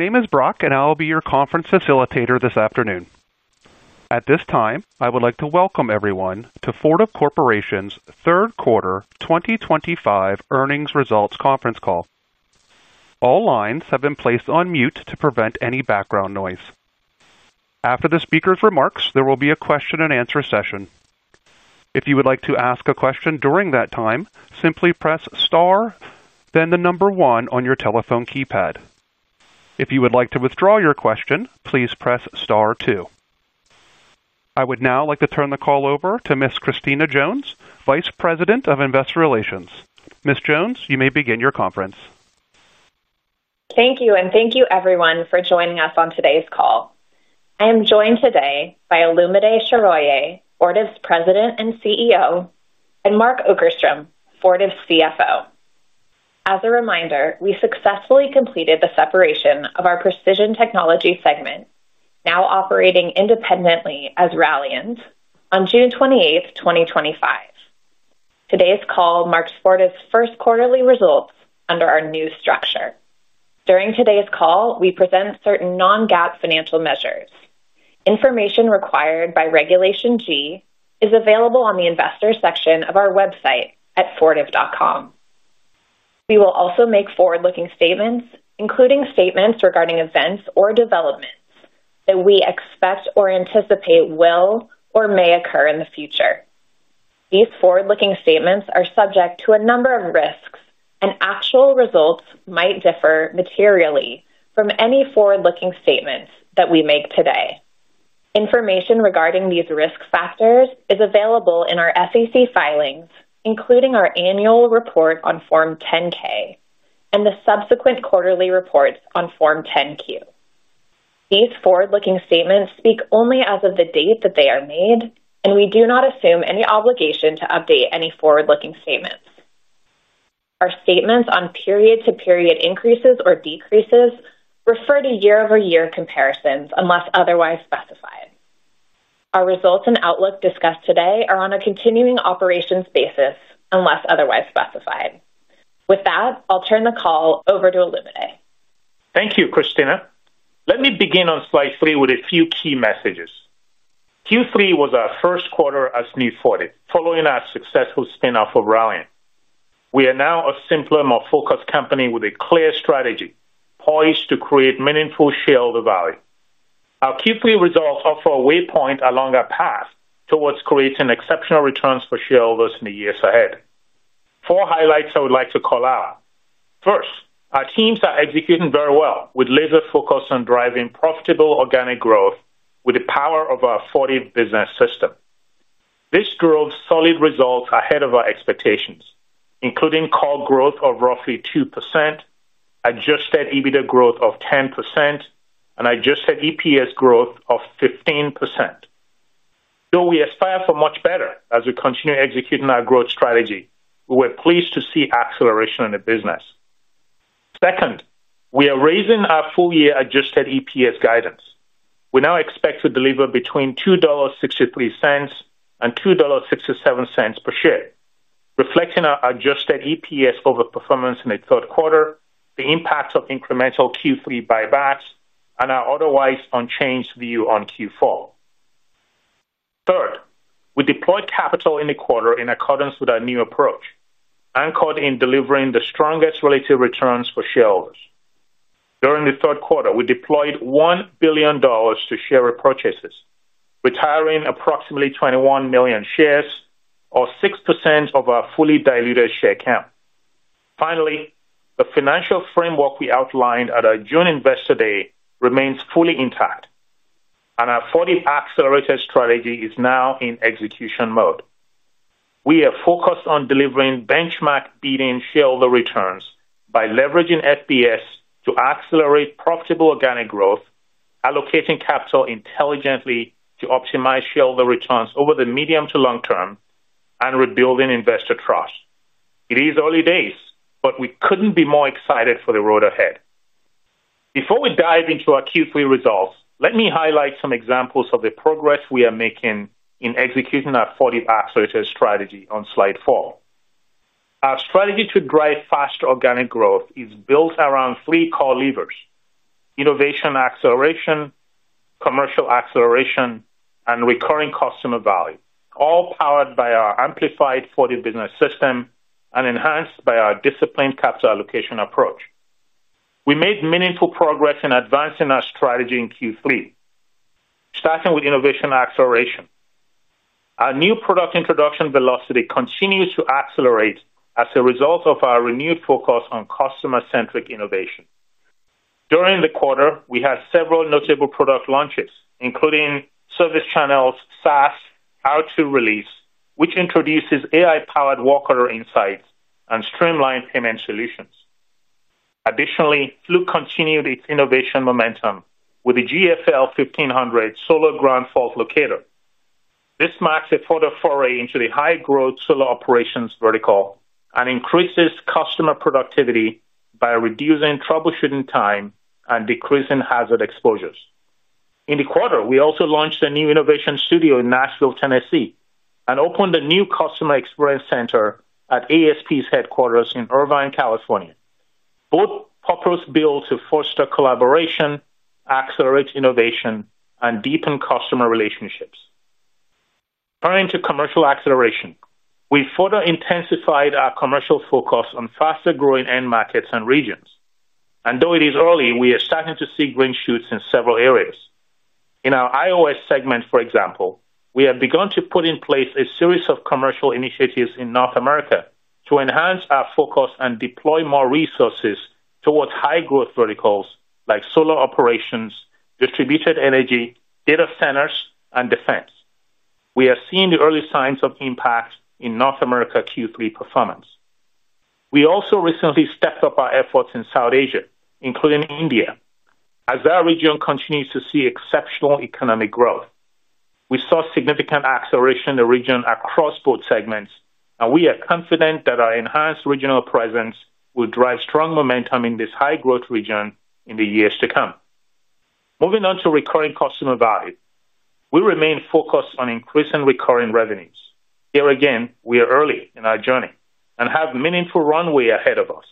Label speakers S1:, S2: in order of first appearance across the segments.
S1: My name is Brock and I'll be your conference facilitator this afternoon. At this time I would like to welcome everyone to Fortive Corporation's third quarter 2025 earnings results conference call. All lines have been placed on mute to prevent any background noise. After the speaker's remarks, there will be a question-and-answer session. If you would like to ask a question during that time, simply press star then the number one on your telephone keypad. If you would like to withdraw your question, please press star two. I would now like to turn the call over to Ms. Christina Jones, Vice President of Investor Relations. Ms. Jones, you may begin your conference.
S2: Thank you and thank you everyone for joining us on today's call. I am joined today by Olumide Soroye, Fortive's President and CEO, and Mark Okerstrom, Fortive's CFO. As a reminder, we successfully completed the separation of our Precision Technologies segment, now operating independently as Rallian, on June 28, 2025. Today's call marks Fortive's first quarterly results under our new structure. During today's call we present certain non-GAAP financial measures. Information required by Regulation G is available on the Investors section of our website at fortive.com. We will also make forward-looking statements including statements regarding events or developments that we expect or anticipate will or may occur in the future. These forward-looking statements are subject to a number of risks and actual results might differ materially from any forward-looking statements that we make today. Information regarding these risk factors is available in our SEC filings, including our annual report on Form 10-K and the subsequent quarterly reports on Form 10-Q. These forward-looking statements speak only as of the date that they are made and we do not assume any obligation to update any forward-looking statements. Our statements on period to period increases or decreases refer to year-over-year comparisons unless otherwise specified. Our results and outlook discussed today are on a continuing operations basis unless otherwise specified. With that, I'll turn the call over to Olumide.
S3: Thank you, Christina. Let me begin on Slide 3 with a few key messages. Q3 was our first quarter as new Fortive. Following our successful spin-off of Rallian, we are now a simpler, more focused company with a clear strategy poised to create meaningful shareholder value. Our Q3 results offer a waypoint along our path towards creating exceptional returns for shareholders in the years ahead. Four highlights I would like to call out. First, our teams are executing very well with laser focus on driving profitable organic growth with the power of our Fortive Business System. This drove solid results ahead of our expectations, including core growth of roughly 2%, adjusted EBITDA growth of 10%, and adjusted EPS growth of 15%. Though we aspire for much better as we continue executing our growth strategy, we were pleased to see acceleration in the business. Second, we are raising our full year adjusted EPS guidance. We now expect to deliver between $2.63 and $2.67 per share, reflecting our adjusted EPS overperformance in the third quarter, the impact of incremental Q3 buybacks, and our otherwise unchanged view on Q4. Third, we deployed capital in the quarter in accordance with our new approach anchored in delivering the strongest relative returns for shareholders. During the third quarter, we deployed $1 billion to share repurchases, retiring approximately 21 million shares or 6% of our fully diluted share count. Finally, the financial framework we outlined at our June Investor Day remains fully intact and our Fortive Accelerated strategy is now in execution mode. We are focused on delivering benchmark-beating shareholder returns by leveraging FBS to accelerate profitable organic growth, allocating capital intelligently to optimize shareholder returns over the medium to long term, and rebuilding investor trust. It is early days, but we couldn't be more excited for the road ahead. Before we dive into our Q3 results, let me highlight some examples of the progress we are making in executing our Fortive Accelerated strategy on Slide 4. Our strategy to drive faster organic growth is built around three core levers: innovation acceleration, commercial acceleration, and recurring customer value, all powered by our amplified Fortive Business System and enhanced by our disciplined capital allocation approach. We made meaningful progress in advancing our strategy in Q3, starting with innovation acceleration. Our new product introduction velocity continues to accelerate as a result of our renewed focus on customer-centric innovation. During the quarter, we had several notable product launches, including ServiceChannel's SaaS R2 release, which introduces AI-powered work order insights and streamlined payment solutions. Additionally, Fluke continued its innovation momentum with the Fluke GFL 1500 solar ground fault locator. This marks a further foray into the high-growth solar operations vertical and increases customer productivity by reducing troubleshooting time and decreasing hazard exposures in the quarter. We also launched a new innovation studio in Nashville, Tennessee, and opened a new customer experience center at ASP's headquarters in Irvine, California. Both properties were built to foster collaboration, accelerate innovation, and deepen customer relationships. Turning to commercial acceleration, we further intensified our commercial focus on faster-growing end markets and regions. Though it is early, we are starting to see green shoots in several areas. In our Intelligent Operating Solutions segment, for example, we have begun to put in place a series of commercial initiatives in North America to enhance our focus and deploy more resources towards high-growth verticals like solar operations, distributed energy, data centers, and defense. We are seeing the early signs of impact in North America Q3 performance. We also recently stepped up our efforts in South Asia, including India, as our region continues to see exceptional economic growth. We saw significant acceleration in the region across both segments, and we are confident that our enhanced regional presence will drive strong momentum in this high-growth region in the years to come. Moving on to recurring customer value, we remain focused on increasing recurring revenues. Here again, we are early in our journey and have meaningful runway ahead of us.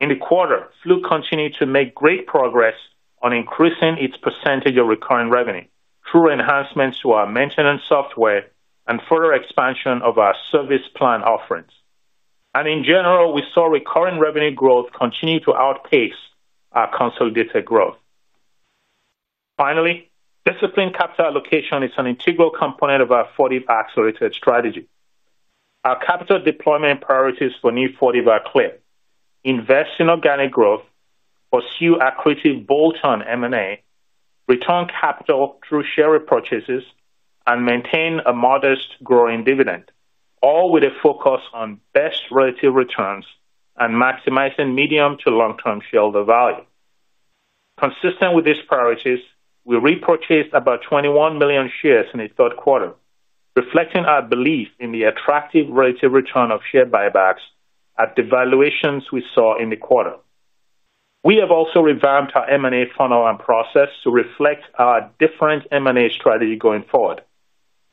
S3: In the quarter, Fluke continued to make great progress on increasing its percentage of recurring revenue through enhancements to our maintenance software and further expansion of our service plan offerings. In general, we saw recurring revenue growth continue to outpace our consolidated growth. Finally, disciplined capital allocation is an integral component of our Fortive Accelerated strategy. Our capital deployment priorities for new Fortive are clear. Invest in organic growth, pursue accretive bolt-on M&A, return capital through share repurchases, and maintain a modest growing dividend, all with a focus on best relative returns and maximizing medium to long-term shareholder value. Consistent with these priorities, we repurchased about 21 million shares in the third quarter, reflecting our belief in the attractive relative return of share buybacks at the valuations we saw in the quarter. We have also revamped our M&A funnel and process to reflect our different M&A strategy going forward,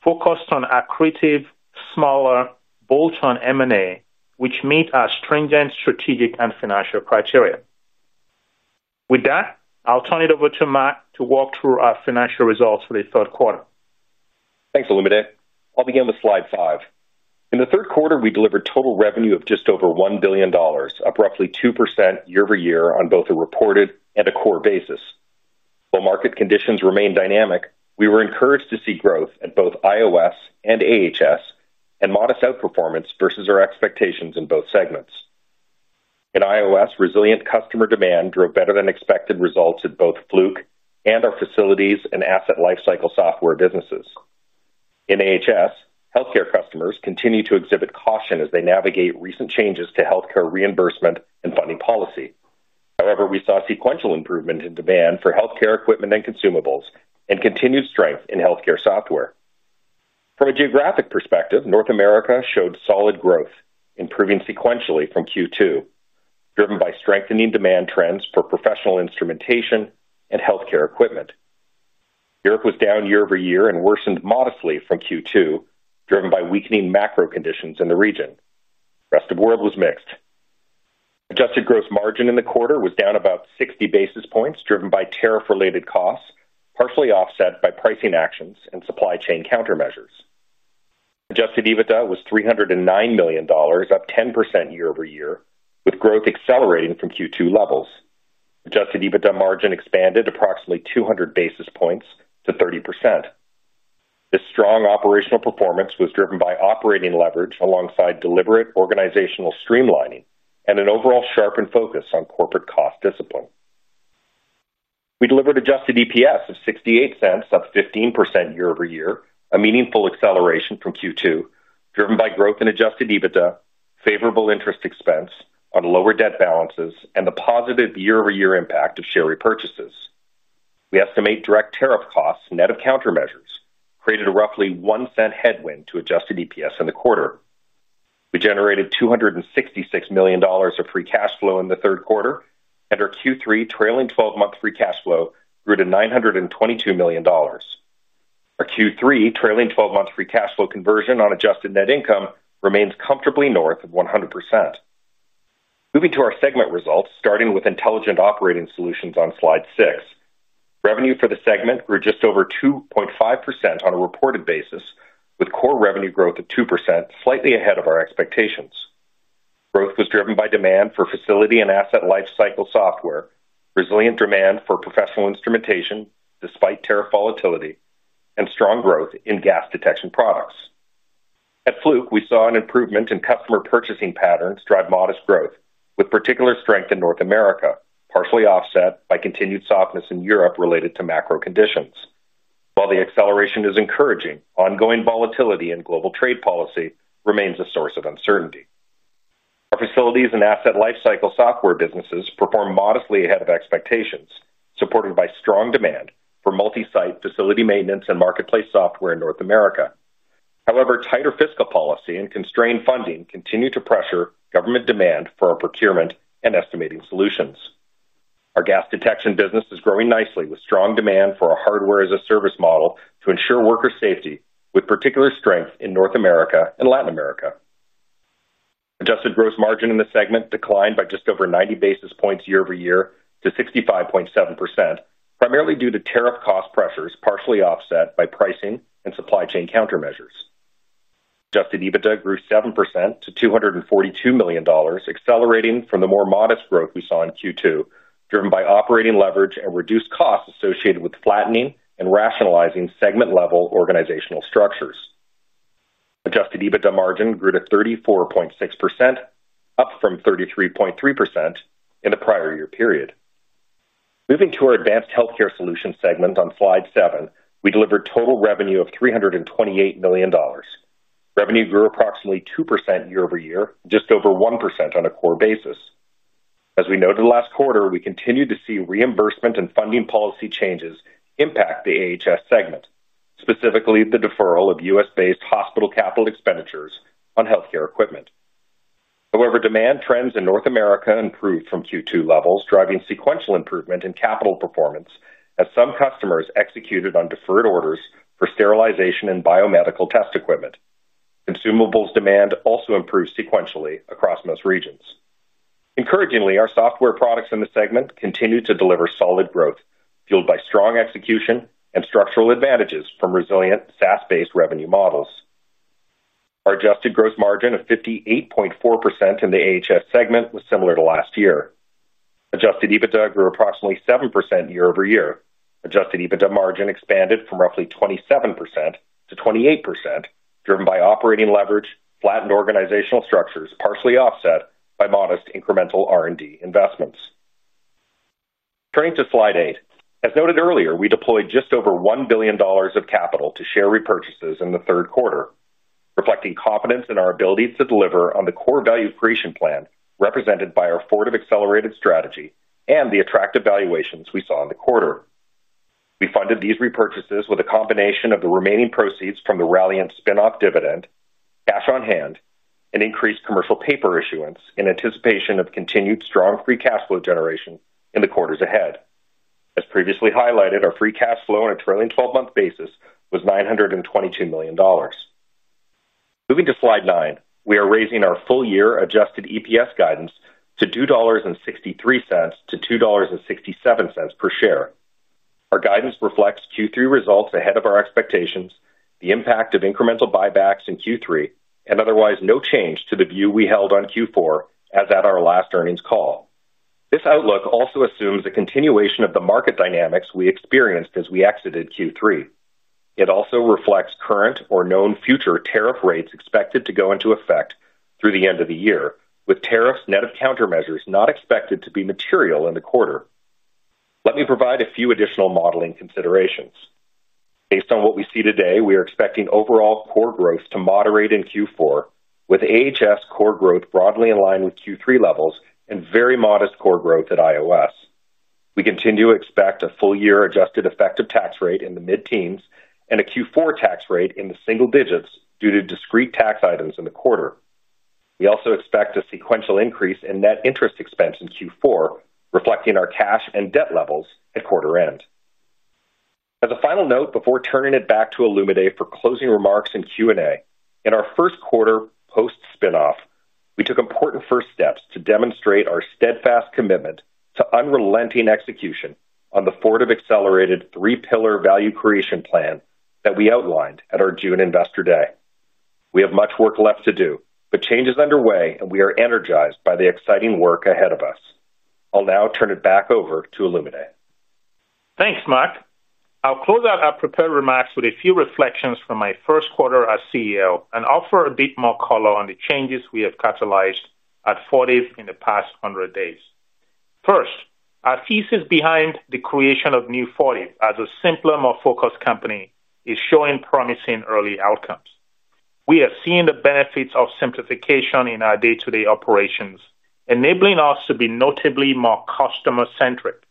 S3: focused on accretive smaller bolt-on M&A which meet our stringent strategic and financial criteria. With that, I'll turn it over to Mark to walk through our financial results for the third quarter.
S4: Thanks, Olumide. I'll begin with slide five. In the third quarter we delivered total revenue of just over $1 billion, up roughly 2% year-over-year on both a reported and a core basis. While market conditions remain dynamic, we were encouraged to see growth at both IOS and AHS and modest outperformance versus our expectations in both segments. In IOS, resilient customer demand drove better than expected results at both Fluke and our facilities and asset lifecycle software businesses. In AHS, healthcare customers continue to exhibit caution as they navigate recent changes to healthcare reimbursement and funding policy. However, we saw sequential improvement in demand for healthcare equipment and consumables and continued strength in healthcare software. From a geographic perspective, North America showed solid growth, improving sequentially from Q2, driven by strengthening demand trends for professional instrumentation and healthcare equipment. Europe was down year-over-year and worsened modestly from Q2, driven by weakening macro conditions in the region. Rest of world was mixed. Adjusted gross margin in the quarter was down about 60 basis points, driven by tariff-related costs partially offset by pricing actions and supply chain countermeasures. Adjusted EBITDA was $309 million, up 10% year-over-year with growth accelerating from Q2 levels. Adjusted EBITDA margin expanded approximately 200 basis points to 30%. This strong operational performance was driven by operating leverage alongside deliberate organizational streamlining and an overall sharpened focus on corporate cost discipline. We delivered adjusted EPS of $0.68, up 15% year-over-year, a meaningful acceleration from Q2 driven by growth in adjusted EBITDA, favorable interest expense on lower debt balances, and the positive year-over-year impact of share repurchases. We estimate direct tariff costs net of countermeasures created a roughly $0.01 headwind to adjusted EPS in the quarter. We generated $266 million of free cash flow in the third quarter and our Q3 trailing twelve month free cash flow grew to $922 million. Our Q3 trailing twelve month free cash flow conversion on adjusted net income remains comfortably north of 100%. Moving to our segment results starting with Intelligent Operating Solutions on slide 6, revenue for the segment grew just over 2.5% on a reported basis with core revenue growth at 2%, slightly ahead of our expectations. Growth was driven by demand for facility and asset lifecycle software, resilient demand for professional instrumentation despite tariff volatility, and strong growth in gas detection products. At Fluke, we saw an improvement in customer purchasing patterns drive modest growth with particular strength in North America, partially offset by continued softness in Europe related to macro conditions. While the acceleration is encouraging, ongoing volatility in global trade policy remains a source of uncertainty. Our facilities and asset lifecycle software businesses performed modestly ahead of expectations, supported by strong demand for multi-site facility maintenance and marketplace software in North America. However, tighter fiscal policy and constrained funding continue to pressure government demand for our procurement and estimating solutions. Our gas detection business is growing nicely with strong demand for our hardware as a service model to ensure worker safety, with particular strength in North America and Latin America. Adjusted gross margin in the segment declined by just over 90 basis points year-over-year to 65.7%, primarily due to tariff cost pressures, partially offset by pricing and supply chain countermeasures. Adjusted EBITDA grew 7% to $242 million, accelerating from the more modest growth we saw in Q2, driven by operating leverage and reduced costs associated with flattening and rationalizing segment-level organizational structures. Adjusted EBITDA margin grew to 34.6%, up from 33.3% in the prior year period. Moving to our Advanced Healthcare Solutions segment on slide 7, we delivered total revenue of $328 million. Revenue grew approximately 2% year-over-year, just over 1% on a core basis. As we noted last quarter, we continued to see reimbursement and funding policy changes impact the AHS segment, specifically the deferral of U.S.-based hospital capital expenditures on healthcare equipment. However, demand trends in North America improved from Q2 levels, driving sequential improvement in capital performance as some customers executed on deferred orders for sterilization and biomedical test equipment consumables. Demand also improved sequentially across most regions. Encouragingly, our software products in the segment continue to deliver solid growth, fueled by strong execution and structural advantages from resilient SaaS-based revenue models. Our adjusted gross margin of 58.4% in the AHS segment was similar to last year. Adjusted EBITDA grew approximately 7% year-over-year. Adjusted EBITDA margin expanded from roughly 27%-28%, driven by operating leverage, flattened organizational structures, partially offset by modest incremental R&D investments. Turning to Slide 8, as noted earlier, we deployed just over $1 billion of capital to share repurchases in the third quarter, reflecting confidence in our ability to deliver on the core value creation plan represented by our Fortive Accelerated strategy and the attractive valuations we saw in the quarter. We funded these repurchases with a combination of the remaining proceeds from the Rallian spin-off, dividend cash on hand, and increased commercial paper issuance in anticipation of continued strong free cash flow generation in the quarters ahead. As previously highlighted, our free cash flow on a trailing twelve month basis was $922 million. Moving to Slide 9, we are raising our full year adjusted EPS guidance to $2.63-$2.67 per share. Our guidance reflects Q3 results ahead of our expectations, the impact of incremental buybacks in Q3, and otherwise no change to the view we held on Q4 as at our last earnings call. This outlook also assumes a continuation of the market dynamics we experienced as we exited Q3. It also reflects current or known future tariff rates expected to go into effect through the end of the year, with tariffs net of countermeasures not expected to be material in the quarter. Let me provide a few additional modeling considerations based on what we see today. We are expecting overall core growth to moderate in Q4, with AHS core growth broadly in line with Q3 levels and very modest core growth at IOS. We continue to expect a full year adjusted effective tax rate in the mid-teens and a Q4 tax rate in the single digits due to discrete tax items in the quarter. We also expect a sequential increase in net interest expense in Q4, reflecting our cash and debt levels at quarter end. As a final note before turning it back to Olumide for closing remarks and Q&A, in our first quarter post spin-off, we took important first steps to demonstrate our steadfast commitment to unrelenting execution on the Fortive Accelerated three pillar Value Creation plan that we outlined at our June Investor Day. We have much work left to do, but change is underway and we are energized by the exciting work ahead of us. I'll now turn it back over to Olumide.
S3: Thanks, Mark. I'll close out our prepared remarks with a few reflections from my first quarter as CEO and offer a bit more color on the changes we have catalyzed at Fortive in the past hundred days. First, our thesis behind the creation of new Fortive as a simpler, more focused company is showing promising early outcomes. We are seeing the benefits of simplification in our day-to-day operations, enabling us to be notably more customer centric.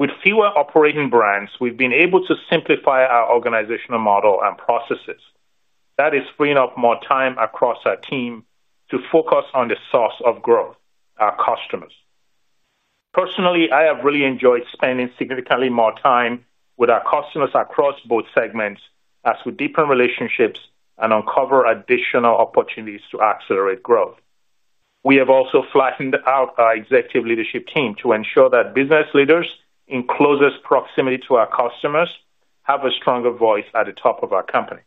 S3: With fewer operating brands, we've been able to simplify our organizational model and processes. That is freeing up more time across our team to focus on the source of growth, our customers. Personally, I have really enjoyed spending significantly more time with our customers across both segments as we deepen relationships and uncover additional opportunities to accelerate growth. We have also flattened out our executive leadership team to ensure that business leaders in closest proximity to our customers have a stronger voice at the top of our company.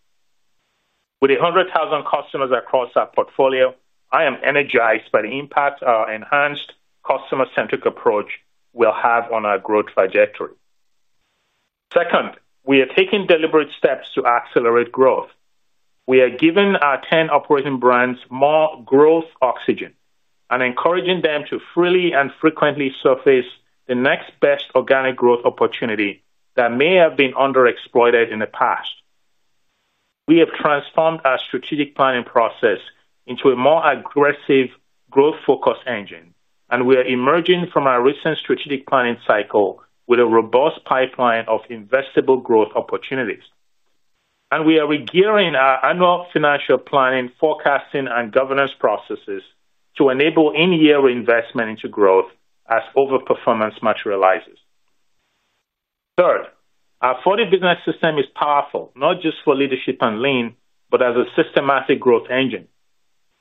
S3: With 100,000 customers across our portfolio, I am energized by the impact our enhanced customer centric approach will have on our growth trajectory. Second, we are taking deliberate steps to accelerate growth. We are giving our 10 operating brands more growth oxygen and encouraging them to freely and frequently surface the next best organic growth opportunity that may have been underexploited in the past. We have transformed our strategic planning process into a more aggressive growth focus engine, and we are emerging from our recent strategic planning cycle with a robust pipeline of investable growth opportunities. We are re-gearing our annual financial planning, forecasting, and governance processes to enable in-year reinvestment into growth as overperformance materializes. Third, our Fortive Business System is powerful not just for leadership and lean, but as a systematic growth engine.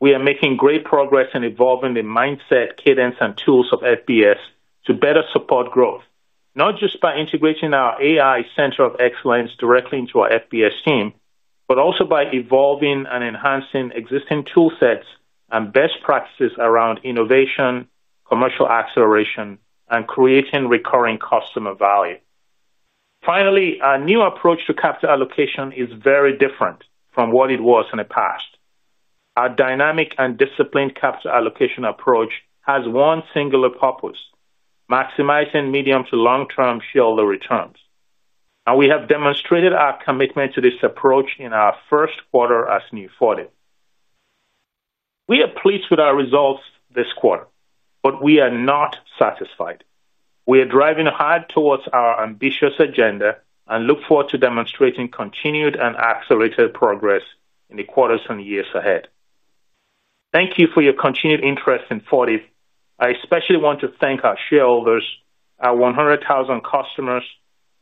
S3: We are making great progress in evolving the mindset, cadence, and tools of FBS to better support growth, not just by integrating our AI Center of Excellence directly into our FBS team, but also by evolving and enhancing existing tool sets and best practices around innovation, commercial acceleration, and creating recurring customer value. Finally, our new approach to capital allocation is very different from what it was in the past. Our dynamic and disciplined capital allocation approach has one singular purpose: maximizing medium to long term shareholder returns, and we have demonstrated our commitment to this approach in our first quarter as new Fortive. We are pleased with our results this quarter, but we are not satisfied. We are driving hard towards our ambitious agenda and look forward to demonstrating continued and accelerated progress in the quarters and years ahead. Thank you for your continued interest in Fortive. I especially want to thank our shareholders, our 100,000 customers,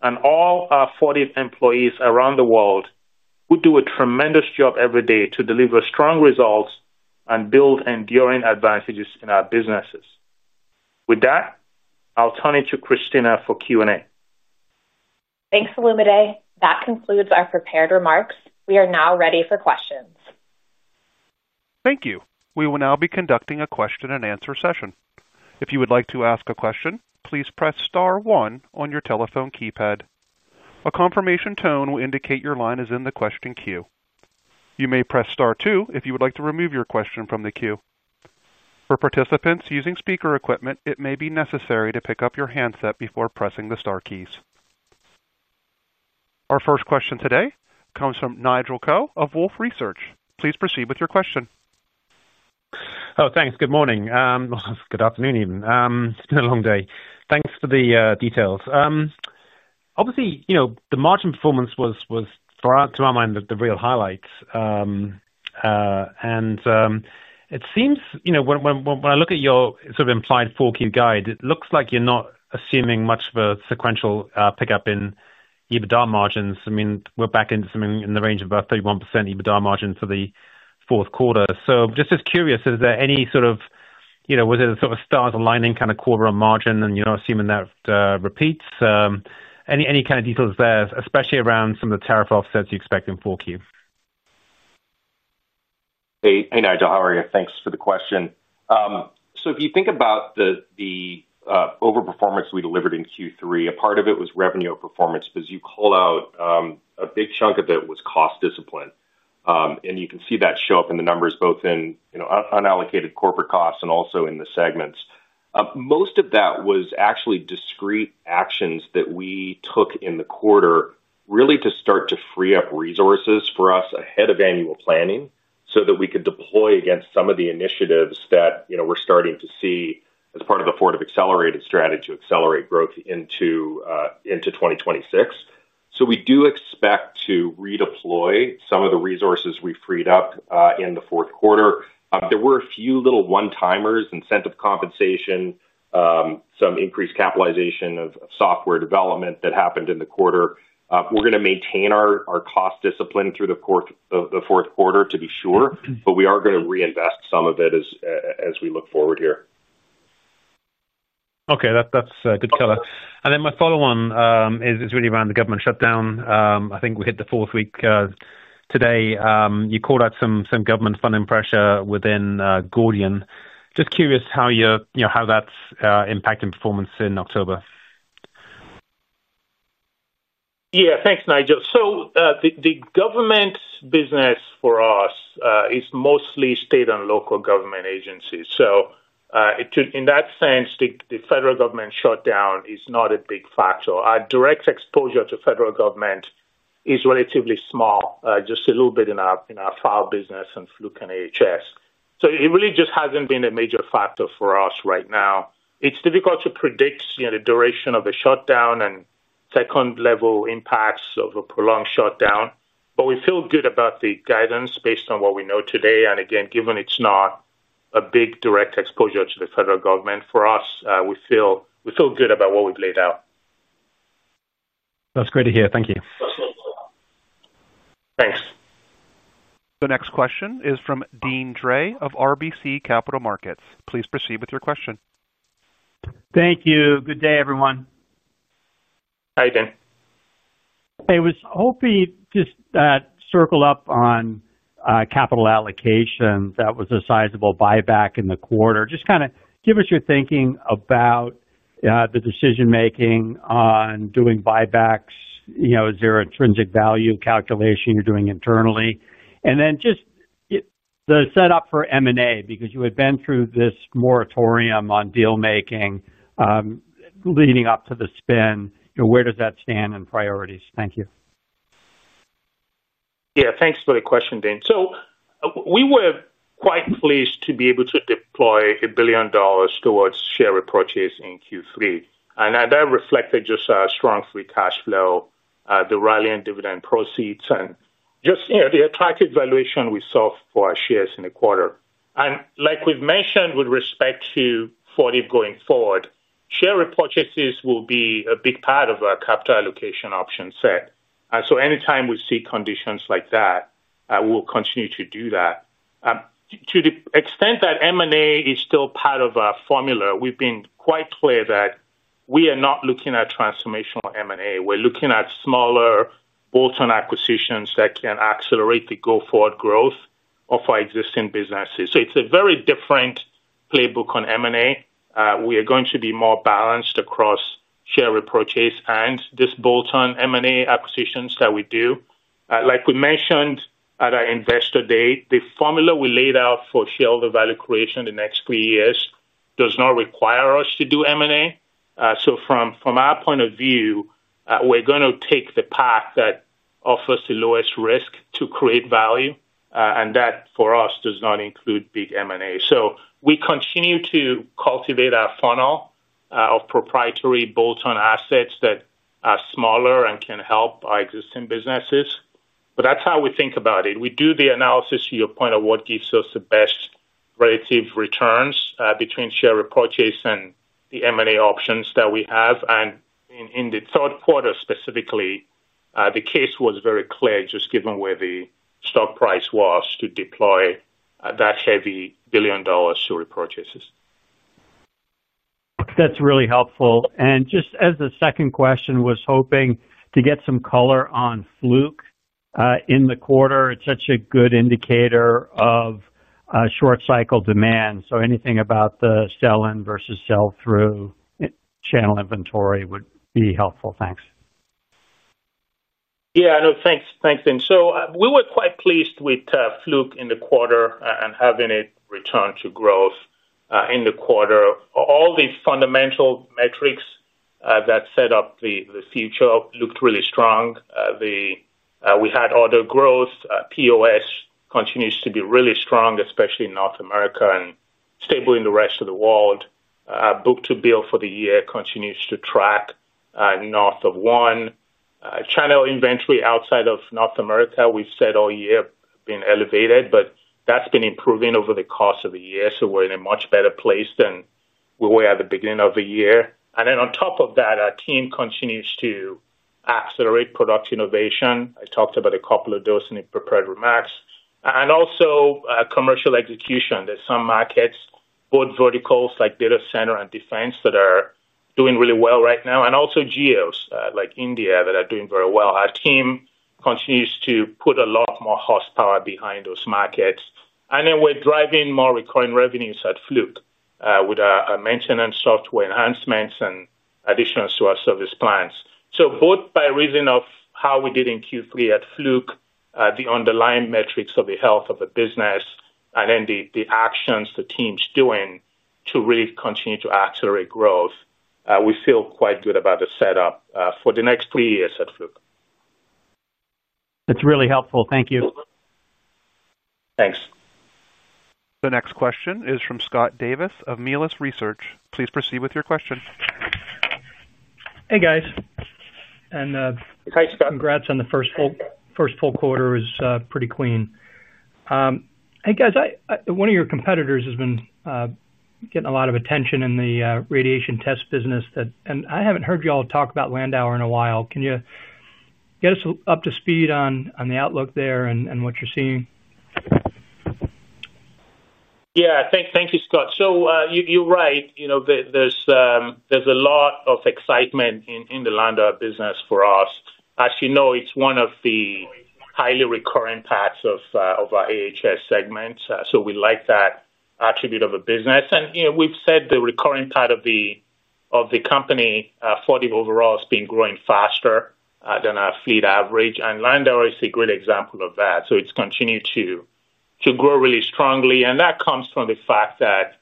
S3: and all our Fortive employees around the world who do a tremendous job every day to deliver strong results and build enduring advantages in our businesses. With that, I'll turn it to Christina for Q and A.
S2: Thanks, Olumide. That concludes our prepared remarks. We are now ready for questions.
S1: Thank you. We will now be conducting a question-and-answer session. If you would like to ask a question, please press star one on your telephone keypad. A confirmation tone will indicate your line is in the question queue. You may press star two if you would like to remove your question from the queue. For participants using speaker equipment, it may be necessary to pick up your handset before pressing the star keys. Our first question today comes from Nigel Coe of Wolfe Research. Please proceed with your question.
S3: Oh, thanks. Good morning.
S5: Good afternoon, even if it's been a long day. Thanks for the details. Obviously, you know the margin performance was. To our mind, the real highlights. It seems, you know, when I look at your sort of implied 4Q guide, it looks like you're not assuming much of a sequential pickup in EBITDA margins. I mean, we're back in something in the range of about 31% EBITDA margin for the fourth quarter. Just curious, is there any sort of, you know, was it a sort of stars aligning kind of quarter on margin? You're not assuming that repeats, any kind of details there, especially around some of the tariff offsets you expect in 4Q.
S4: Hey. Hey Nigel. How are you? Thanks for the question. If you think about the overperformance we delivered in Q3, a part of it was revenue performance, as you call out, a big chunk of it was cost discipline. You can see that show up in the numbers both in unallocated Corporate costs and also in the segments. Most of that was actually discrete actions that we took in the quarter really to start to free up resources for us ahead of annual planning so that we could deploy against some of the initiatives that we're starting to see as part of the Fortive Accelerated strategy to accelerate growth into 2026. We do expect to redeploy some of the resources we freed up in the fourth quarter. There were a few little one-timers, incentive compensation, some increased capitalization of software development that happened in the quarter. We're going to maintain our cost discipline through the fourth quarter, to be sure, but we are going to reinvest some of it as we look forward here.
S5: Okay, that's good color. My follow on is really around the government shutdown. I think we hit the fourth week today. You called out some government funding pressure within Gordian. Just curious how you know how that's impacting performance in October.
S3: Yeah, thanks, Nigel. The government business for us is mostly state and local government agencies. In that sense, the federal government shutdown is not a big factor. Our direct exposure to federal government is relatively small, just a little bit in our file business and Fluke and AHS. It really just hasn't been a major factor for us right now. It's difficult to predict the duration of a shutdown and second level impacts of a prolonged shutdown. We feel good about the guidance based on what we know today. Given it's not a big direct exposure to the federal government for us, we feel good about what we've laid out.
S5: That's great to hear. Thank you.
S3: Thanks.
S1: The next question is from Deane Dray of RBC Capital Markets. Please proceed with your question.
S6: Thank you. Good day, everyone. How are you doing? I was hoping just to circle up on capital allocation. That was a sizable buyback in the quarter. Just kind of give us your thinking. About the decision making on doing buybacks. Is there intrinsic value calculation you're doing internally, and then just the setup for M&A because you had been through this moratorium on deal making leading up to the spin. Where does that stand in priorities? Thank you.
S3: Yeah, thanks for the question, Deane. We were quite pleased to be able to deploy $1 billion towards share repurchase in Q3. That reflected strong free cash flow, the Rallian dividend proceeds, and the attractive valuation we saw for our shares in the quarter. Like we've mentioned with respect to Fortive going forward, share repurchases will be a big part of our capital allocation option set. Anytime we see conditions like that, we'll continue to do that. To the extent that M&A is still part of our formula, we've been quite clear that we are not looking at transformational M&A. We're looking at smaller bolt-on acquisitions that can accelerate the go-forward growth of our existing businesses. It's a very different playbook on M&A. We are going to be more balanced across share repurchase and this bolt-on M&A acquisitions that we do. Like we mentioned at our investor day, the formula we laid out for shareholder value creation the next three years does not require us to do M&A. From our point of view, we're going to take the path that offers the lowest risk to create value and that for us does not include big M&A. We continue to cultivate our funnel of proprietary bolt-on assets that are smaller and can help existing businesses. That's how we think about it. We do the analysis to your point of what gives us the best relative returns between share repurchase and the M&A options that we have. In the third quarter specifically, the case was very clear just given where the stock price was to deploy that heavy $1 billion purchases.
S6: That's really helpful. Just as the second question, was hoping to get some color on Fluke in the quarter. It's such a good indicator of short cycle demand. Anything about the sell in versus sell through channel inventory would be helpful.
S3: Yeah, no thanks. Thanks Deane. We were quite pleased with Fluke in the quarter and having it return to growth in the quarter. All these fundamental metrics that set up the future looked really strong. We had order growth. POS continues to be really strong, especially in North America, and stable in the rest of the world. Book to bill for the year continues to track north of one. Channel inventory outside of North America, we've said all year, has been elevated, but that's been improving over the course of the year. We're in a much better place than we were at the beginning of the year. On top of that, our team continues to accelerate product innovation. I talked about a couple of those in the prepared remarks and also commercial execution. There are some markets, both verticals like data center and defense, that are doing really well right now and also geos like India that are doing very well. Our team continues to put a lot more horsepower behind those markets, and we're driving more recurring revenues at Fluke with maintenance software enhancements and additions to our service plans. Both by reason of how we did in Q3 at Fluke, the underlying metrics of the health of the business, and the actions the team's doing to really continue to accelerate growth, we feel quite good about the setup for the next three years at Fluke.
S6: That's really helpful.
S3: Thank you.
S6: Thanks.
S1: The next question is from Scott Davis of Melius Research. Please proceed with your question.
S3: Hi, Scott.
S7: Congrats on the first full quarter, it's pretty clean. One of your competitors has been getting. A lot of attention in the radiation test business, and I haven't heard you all talk about Landauer in a while. Can you get us up to speed? On the outlook there and what you're seeing?
S3: Yeah. Thank you, Scott. You're right, there's a lot of excitement in the Landauer business for us. As you know, it's one of the highly recurring parts of our AHS segment. We like that attribute of a business, and we've said the recurring part of the company Fortive overall has been growing faster than our fleet average. Landauer is a great example of that. It's continued to grow really strongly, and that comes from the fact that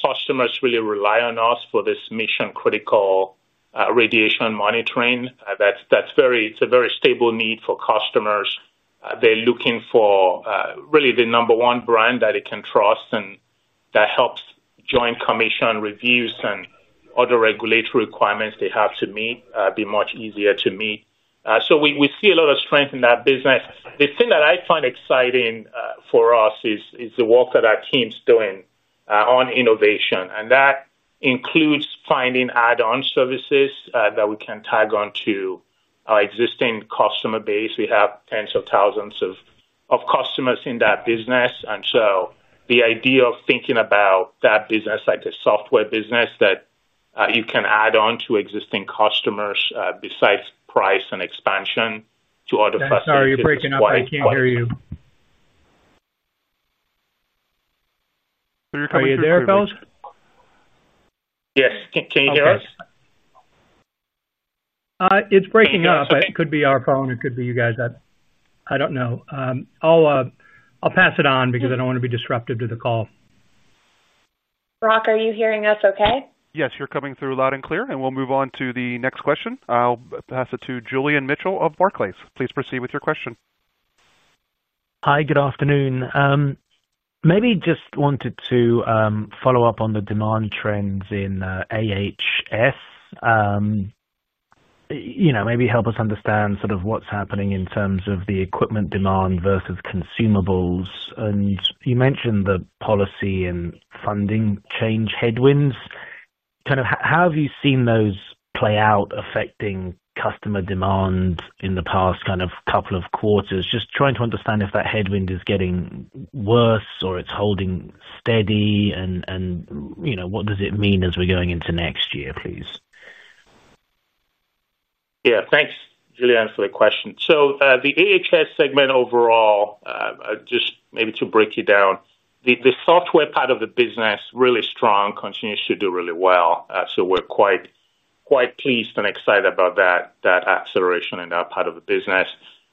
S3: customers really rely on us for this mission critical radiation monitoring. It's a very stable need for customers. They're looking for really the number one brand that they can trust, and that helps Joint Commission reviews and other regulatory requirements they have to meet be much easier to meet. We see a lot of strength in that business. The thing that I find exciting for us is the work that our team's doing on innovation, and that includes finding add-on services that we can tag on to our existing customer base. We have tens of thousands of customers in that business, and the idea of thinking about that business like a software business that you can add on to existing customers besides price and expansion to other facilities.
S7: Sorry, you're breaking up. I can't hear you. Are you there, fellows? Yes, can you hear us? It's breaking up. It could be our phone, it could. Be you guys, I don't know. I'll pass it on because I don't want to be disruptive to the call.
S2: Are you hearing us?
S1: Okay, yes, you're coming through loud and clear. We'll move on to the next question. I'll pass it to Julian Mitchell of Barclays. Please proceed with your question.
S8: Hi, good afternoon. Maybe just wanted to follow up on the demand trends in AHS. You know, maybe help us understand sort of what's happening in terms of the equipment demand versus consumables. You mentioned the policy and funding change headwinds kind of. How have you seen those play out affecting customer demand in the past kind of couple of quarters? Just trying to understand if that headwind is getting worse or it's holding steady and what does it mean as we're going into next year please.
S3: Yeah, thanksJulian for the question. The AHS segment overall, just maybe to break it down, the software part of the business, really strong, continues to do really well. We're quite, quite pleased and excited about that acceleration in that part of the business.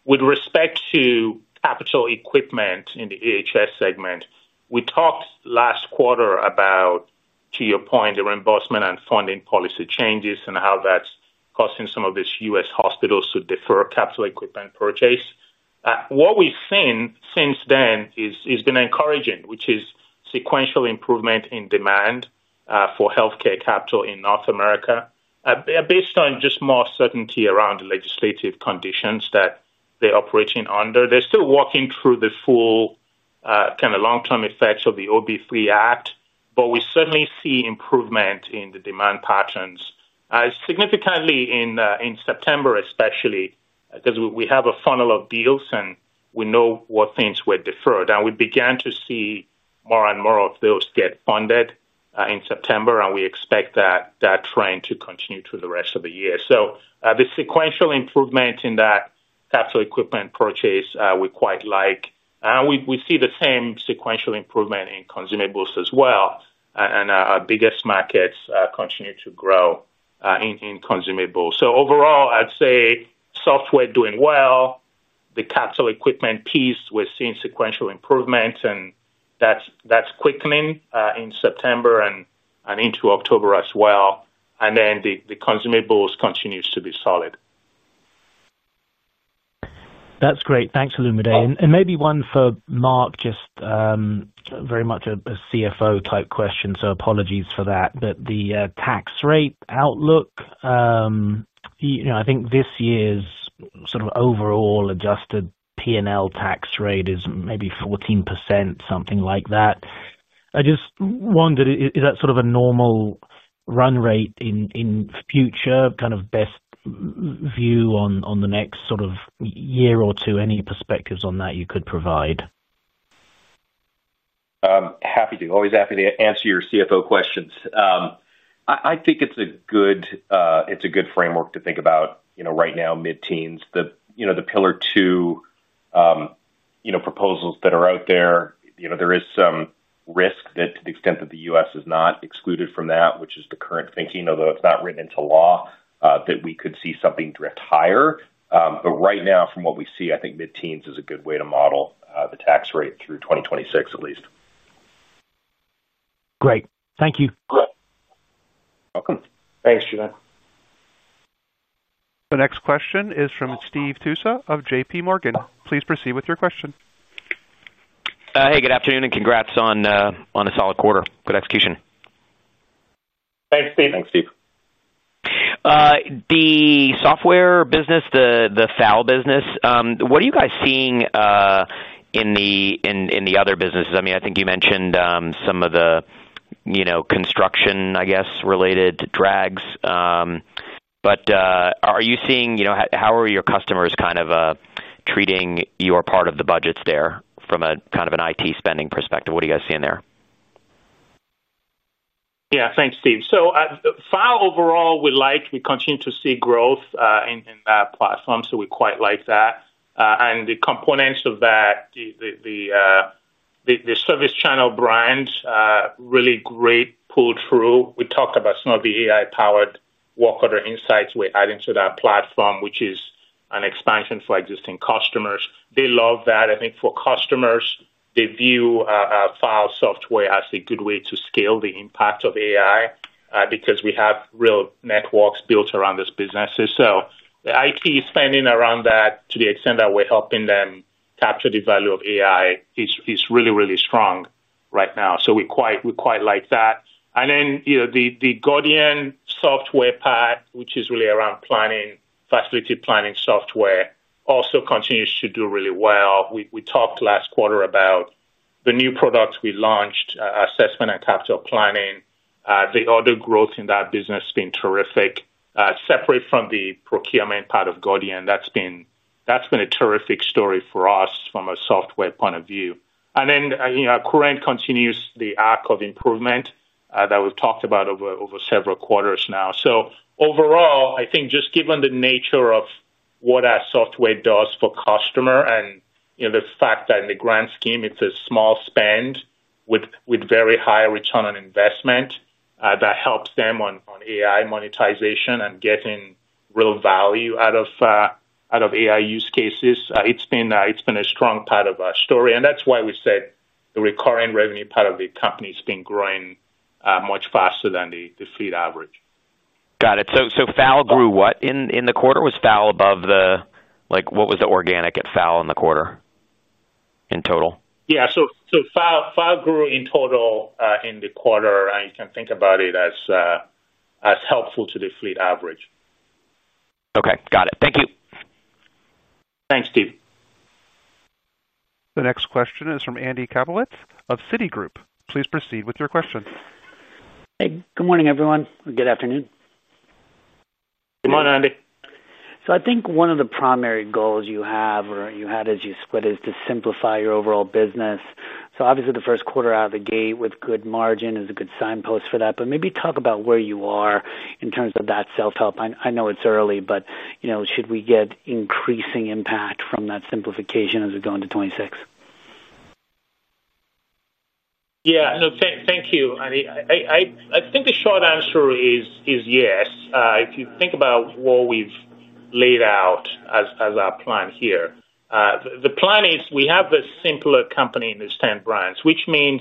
S3: With respect to capital equipment in the AHS segment, we talked last quarter about, to your point, the reimbursement and funding policy changes and how that's causing some of the U.S. hospitals to defer capital equipment purchase. What we've seen since then has been encouraging, which is sequential improvement in demand for healthcare capital in North America based on just more certainty around the legislative conditions that they're operating under. They're still working through the full kind of long-term effects of the OBV Act. We certainly see improvement in the demand patterns significantly in September, especially because we have a funnel of deals and we know what things were deferred, and we began to see more and more of those get funded in September. We expect that trend to continue through the rest of the year. The sequential improvement in that capital equipment purchase we quite like. We see the same sequential improvement in consumables as well, and our biggest markets continue to grow in consumables. Overall, I'd say software doing well. The capital equipment piece, we're seeing sequential improvement, and that's quickening in September and into October as well, and then the consumables continues to be solid. That's great.
S8: Thanks, Olumide, and maybe one for Mark, just very much a CFO type question, so apologies for that. The tax rate outlook, I think this year's sort of overall adjusted P&L tax rate is maybe 14% something like that. I just wondered is that sort of a normal run rate in future, kind of best view on the next sort of year or two. Any perspectives on that you could provide?
S4: Happy to, always happy to answer your CFO questions. I think it's a good framework to think about. Right now mid teens, the pillar two proposals that are out there, there is some risk that to the extent that the U.S. is not excluded from that, which is the current thinking, although it's not written into law, we could see something drift higher. Right now from what we see, I think mid teens is a good way to model the tax rate through 2026 at least.
S8: Great, thank you.
S4: Welcome.
S3: Thanks Juve.
S1: The next question is from Steve Tusa of J.P. Morgan. Please proceed with your question.
S9: Hey, good afternoon, and congrats on a solid quarter. Good execution. Thanks, Steve.
S3: Thanks, Steve.
S9: The software business, the FAL business, what are you guys seeing in the other businesses? I think you mentioned some. Of the construction, I guess related drags, are you seeing how are your customers kind of treating your part of. The budgets there from a kind of. An IT spending perspective? What are you guys seeing there?
S3: Yeah, thanks Steve. Overall we like, we continue to see growth in that platform. We quite like that and the components of that, the ServiceChannel brands, really great pull through. We talked about some of the AI-powered work order insights we're adding to that platform, which is an expansion for existing customers. They love that. I think for customers they view facilities software as a good way to scale the impact of AI because we have real networks built around this business. The IT spending around that, to the extent that we're helping them capture the value of AI, is really, really strong right now. We quite like that. The Gordian software part, which is really around planning, facility planning software, also continues to do really well. We talked last quarter about the new products we launched, assessment and capital planning. The other growth in that business has been terrific, separate from the procurement part of Gordian. That's been a terrific story for us from a software point of view. Current continues the act of improvement that we've talked about over several quarters now. Overall, just given the nature of what our software does for customers and the fact that in the grand scheme it's a small spend with very high return on investment that helps them on AI monetization and getting real value out of AI use cases, it's been a strong part of our story and that's why we said the recurring revenue part of the company has been growing much faster than the FBS average.
S9: Got it. What in the quarter was FAL above the like what was the organic at FAL in the quarter in total?
S4: Yeah. FAL grew in total in the quarter. You can think about it as helpful to the fleet average.
S9: Okay, got it.
S3: Thank you. Thanks, Steve.
S1: The next question is from Andy Kaplowitz of Citigroup. Please proceed with your question.
S10: Good morning, everyone. Good afternoon.
S3: Good morning, Andy.
S10: I think one of the primary goals you have or you had as you said is to simplify your overall business. Obviously, the first quarter out of the gate with good margin is a good start, signpost for that. Maybe talk about where you are in terms of that self help. I know it's early, but should we get increasing impact from that simplification as we go into 2026?
S3: Yeah. Thank you. I think the short answer is yes. If you think about what we've laid out as our plan here, the plan is we have a simpler company in the stand brands, which means,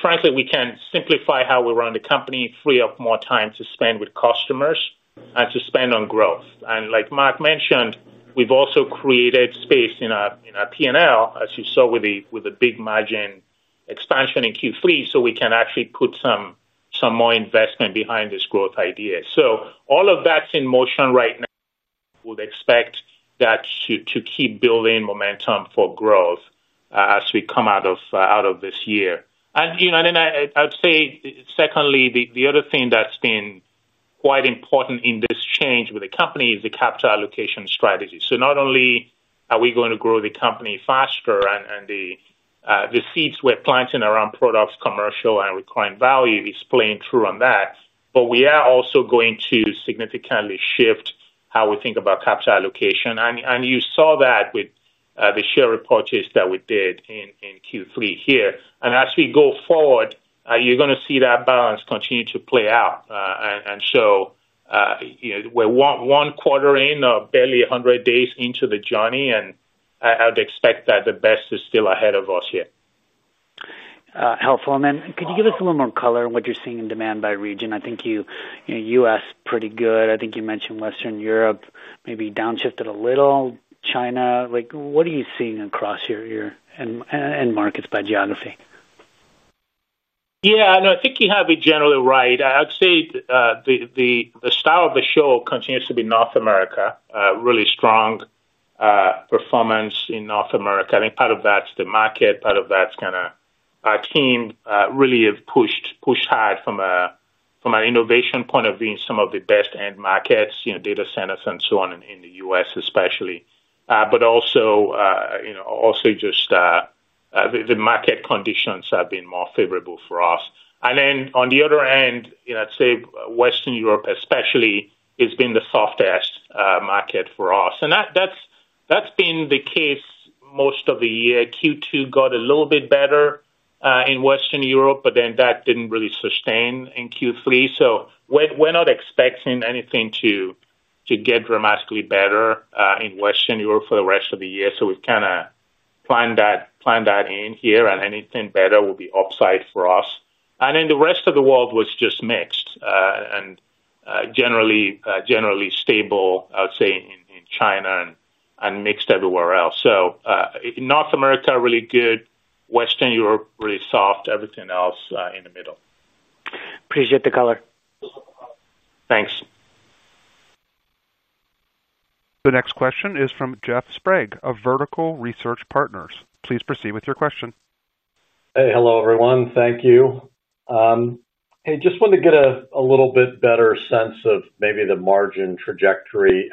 S3: frankly, we can simplify how we run the company, free up more time to spend with customers and to spend on growth. Like Mark mentioned, we've also created space in our P&L, as you saw with the big margin expansion in Q3. We can actually put some more investment behind this growth idea. All of that's in motion right now. I would expect that to keep building momentum for growth as we come out of this year. Secondly, the other thing that's been quite important in this change with the company is the capital allocation strategy. Not only are we going to grow the company faster and the seeds we're planting around products, commercial, and recurring value is playing through on that, but we are also going to significantly shift how we think about capital allocation. You saw that with the share repurchase that we did in Q3 here. As we go forward, you're going to see that balance continue to play out. We're one quarter in, barely 100 days into the journey, and I would expect that the best is still ahead of us here.
S10: Helpful. Could you give us a little more color on what you're seeing in demand by region? I think you mentioned Western Europe maybe downshifted a little, China. What are you seeing across your end markets by geography?
S3: Yeah, I think you have it generally right. I'd say the star of the show continues to be North America. Really strong performance in North America. I think part of that's the market. Part of that's kind of our team really have pushed hard from an innovation point of view in some of the best end markets, data centers and so on in the U.S. especially. Part of it is just the market conditions have been more favorable for us. On the other end, I'd say Western Europe especially, it's been the softest market for us and that's been the case most of the year. Q2 got a little bit better in Western Europe, but that didn't really sustain in Q3. We're not expecting anything to get dramatically better in Western Europe for the rest of the year. We've kind of planned that in here and anything better will be upside for us. The rest of the world was just mixed and generally stable, I would say in China and mixed everywhere else. North America really good, Western Europe really soft. Everything else in the middle.
S10: Appreciate the color.
S3: Thanks.
S1: The next question is from Jeff Sprague of Vertical Research Partners. Please proceed with your question.
S11: Hello everyone. Thank you. Hey, wanted to get a little. Bit better sense of maybe the margin trajectory.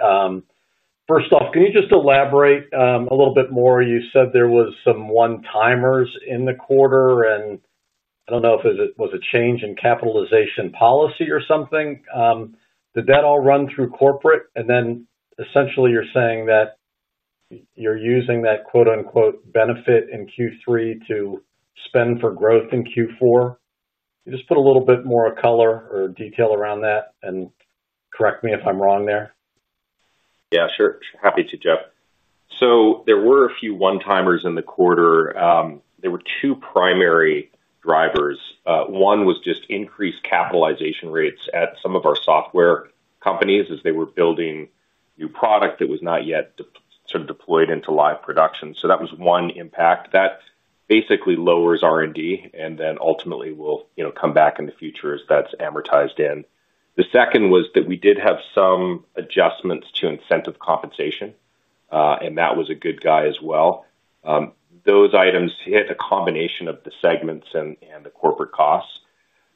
S11: First off, can you just elaborate a little bit more? You said there were some one-timers. In the quarter, I don't know. If it was a change in capitalization policy or something. Did that all run through corporate? Essentially, you're saying that you're using that "benefit" in Q3. To spend for growth in Q4. you just put a little bit more color or detail around that and correct? me if I'm wrong there.
S4: Yeah, sure. Happy to, Jeff. There were a few one timers in the quarter. There were two primary drivers. One was just increased capitalization rates at some of our software companies as they were building new product that was not yet sort of deployed into live production. That was one impact that basically lowers R&D and then ultimately will come back in the future as that's amortized in. The second was that we did have some adjustments to incentive compensation and that was a good guy as well. Those items hit a combination of the segments and the corporate costs.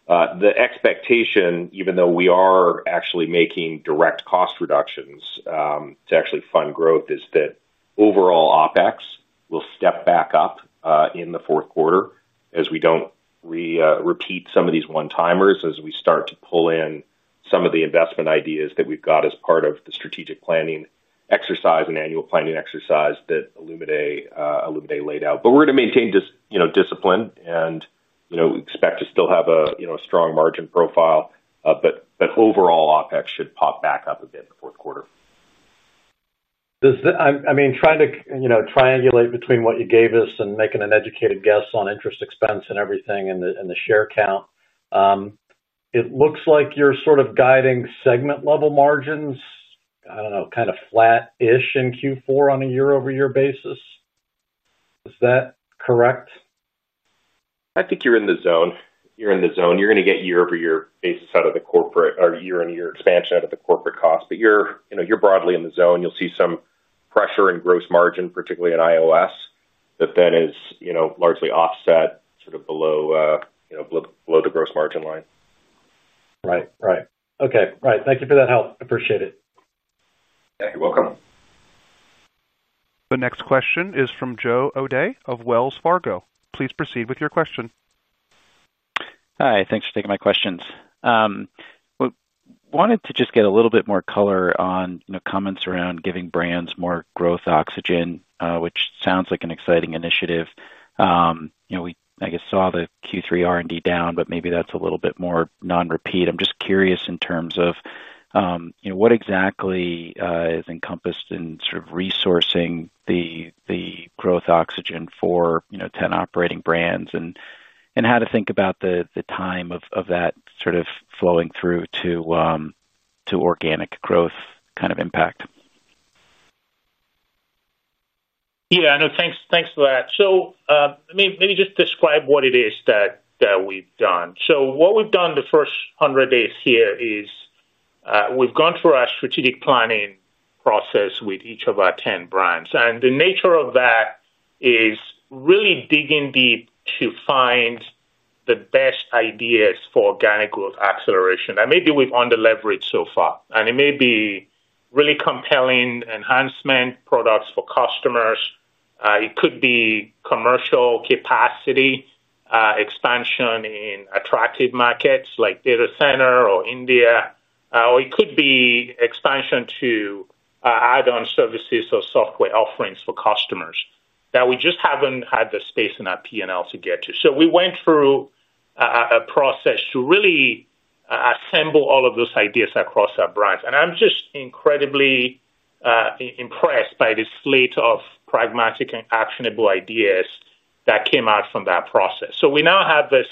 S4: The expectation, even though we are actually making direct cost reductions to actually fund growth, is that overall OpEx will step back up in the fourth quarter. As we don't repeat some of these one timers, as we start to pull in some of the investment ideas that we've got as part of the strategic planning exercise, an annual planning exercise that Olumide laid out, we're going to maintain discipline and expect to still have a strong margin profile. Overall, OpEx should pop back up a bit in the fourth quarter.
S11: I mean, trying to triangulate between what. You gave us and making an educated. Guess on interest, expense and everything and the share count, it looks like you're sort of guiding segment level margins, I don't know, kind of flat-ish in. Q4 on a year-over-year basis. Is that correct?
S4: I think you're in the zone. You're in the zone. You're going to get year-over-year basis out of the corporate or year-on-year expansion out of the corporate cost. You're broadly in the zone. You'll see some pressure in gross margin, particularly in IOS that then is largely offset below the gross margin line.
S11: Right, right. Okay. Right. Thank you for that help. Appreciate it. You're welcome.
S1: The next question is from Joe O'Dea of Wells Fargo. Please proceed with your question.
S12: Hi, thanks for taking my questions. Wanted to just get a little bit more color on comments around giving brands more Growth Oxygen, which sounds like an exciting initiative. We saw the Q3 R&D down, but maybe that's a little bit more non-repeat. I'm just curious in terms of what exactly is encompassed in resourcing the Growth Oxygen for 10 operating brands and how to think about the timing of that flowing through to organic growth impact.
S3: Yeah, no thanks. Thanks for that. Maybe just describe what it is that we've done. What we've done the first hundred days here is we've gone through our strategic planning process with each of our 10 brands, and the nature of that is really digging deep to find the best ideas for organic growth acceleration that maybe we've underleveraged so far. It may be really compelling enhancement products for customers. It could be commercial capacity expansion in attractive markets like data center or India, or it could be expansion to add on services or software offerings for customers that we just haven't had the space in our P&L to get to. We went through a process to really assemble all of those ideas across our brands. I'm just incredibly impressed by this slate of pragmatic and actionable ideas that came out from that process. We now have this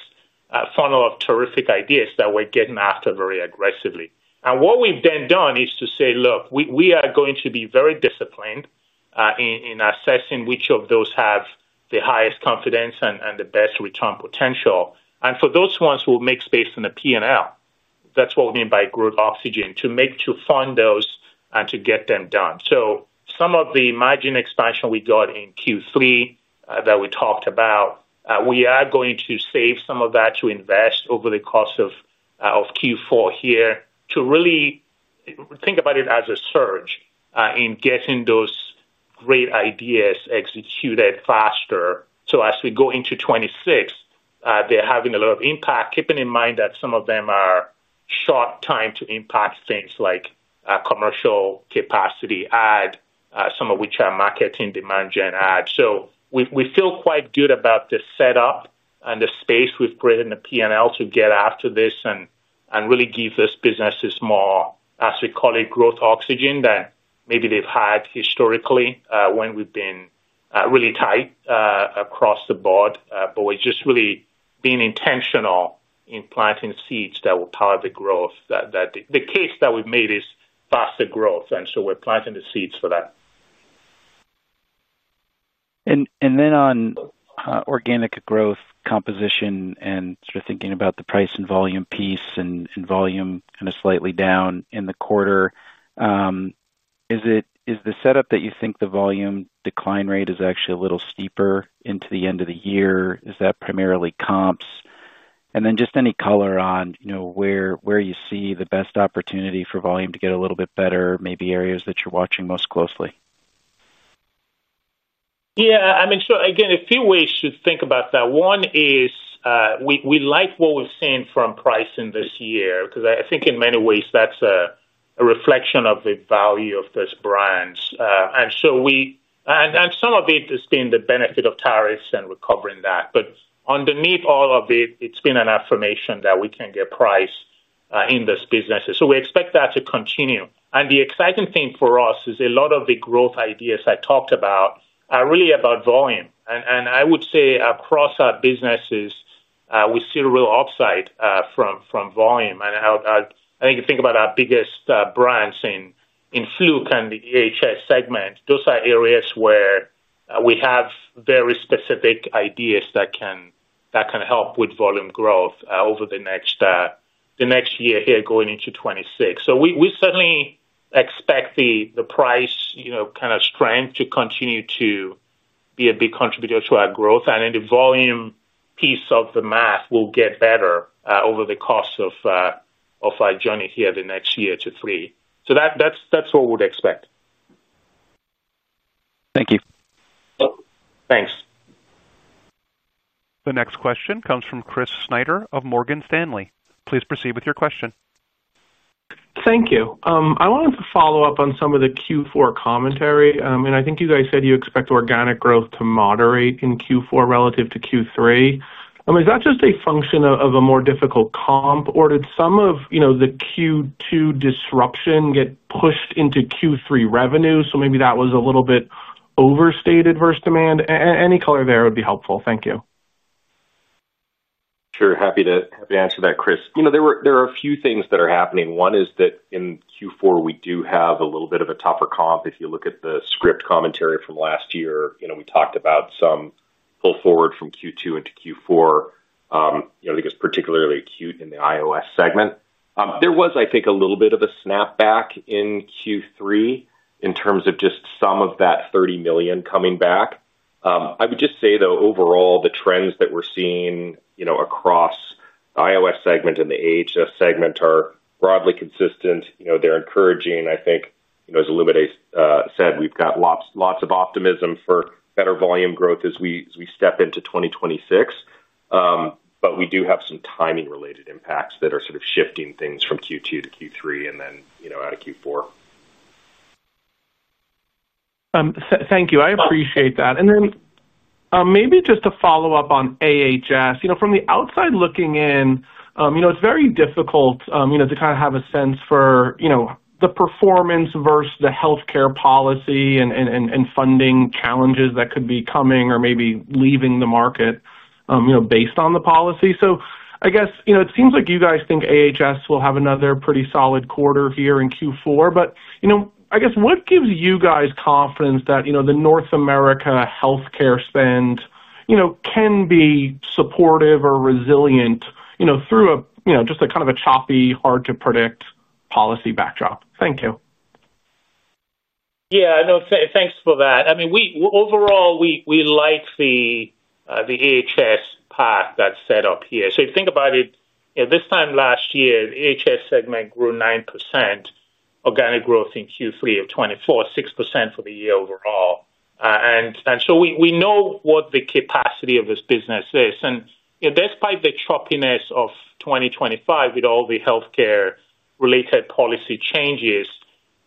S3: funnel of terrific ideas that we're getting after very aggressively. What we've then done is to say, look, we are going to be very disciplined in assessing which of those have the highest confidence and the best return potential. For those ones, we will make space in the P&L. That's what we mean by Growth Oxygen, to fund those and to get them done. Some of the margin expansion we got in Q3 that we talked about, we are going to save some of that to invest over the course of Q4 here to really think about it as a surge in getting those great ideas executed faster as we go into 2026, they're having a lot of impact. Keeping in mind that some of them are short time to impact, things like commercial capacity add, some of which are marketing demand gen add. We feel quite good about the setup and the space we've created in the P&L to get after this and really give these businesses more, as we call it, growth oxygen than maybe they've had historically when we've been really tight across the board. We're just really being intentional in planting seeds that will power the growth. The case that we've made is faster growth, and we're planting the seeds for that.
S12: On organic growth composition, sort of thinking about the price and volume piece, and volume kind of slightly down in the quarter. Is the setup. That you think the volume decline rate is actually a little steeper into the end of the year. Is that primarily comps, and then just any color on where you see the best opportunity for volume to get a little bit better? Maybe areas that you're watching most closely?
S3: Yeah, again, a few ways to think about that. One is we like what we've seen from pricing this year because I think in many ways that's a reflection of the value of those brands. Some of it has been the benefit of tariffs and recovering that. Underneath all of it, it's been an affirmation that we can get price in this business. We expect that to continue. The exciting thing for us is a lot of the growth ideas I talked about are really about volume. I would say across our businesses we see real upside from volume. I think you think about our biggest brands in Fluke and the segment, those are areas where we have very specific ideas that can help with volume growth over the next year here going into 2026. We certainly expect the price kind of strength to continue to be a big contributor to our growth, and the volume piece of the math will get better over the course of our journey here the next year to three. That's what we'd expect.
S12: Thank you.
S3: Thanks.
S1: The next question comes from Chris Snyder of Morgan Stanley. Please proceed with your question.
S13: Thank you. I wanted to follow up on some of the Q4 commentary, and I think you guys said you expect organic growth to moderate in Q4 relative to Q3. Is that just a function of a more difficult comp, or did some of the Q2 disruption get pushed into Q3 revenue? Maybe that was a little bit overstated versus demand. Any color there would be helpful. Thank you.
S4: Sure. Happy to answer that, Chris. There are a few things that are happening. One is that in Q4 we do have a little bit of a tougher comp. If you look at the script commentary from last year, we talked about some pull forward from Q2 into Q4. I think it's particularly acute in the IOS segment. There was a little bit of a snapback in Q3 in terms of just some of that $30 million coming back. I would just say, overall the trends that we're seeing across the IOS segment and the AHS segment are broadly consistent. They're encouraging. I think, as Olumide said, we've got lots of optimism for better volume growth as we step into 2026, but we do have some timing-related impacts that are shifting things from Q2 to Q3 and then out of Q4.
S13: Thank you, I appreciate that. Maybe just a follow up on AHS. From the outside looking in, it's very difficult to kind of have a sense for the performance versus the healthcare policy and funding challenges that could be coming or maybe leaving the market based on the policy. I guess it seems like you guys think AHS will have another pretty solid quarter here in Q4. What gives you guys confidence that the North America healthcare spend can be supportive or resilient through a kind of choppy, hard to predict policy backdrop? Thank you.
S3: Yeah, no, thanks for that. We overall like the AHS path that's set up here. If you think about it, this time last year, the AHS segment grew 9% organic growth in Q3 2024, 6% for the year overall. We know what the capacity of this business is. Despite the choppiness of 2025 with all the healthcare related policy changes,